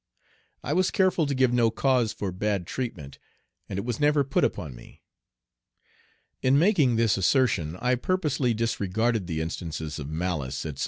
I was careful to give no cause for bad treatment, and it was never put upon me. In making this assertion I purposely disregard the instances of malice, etc.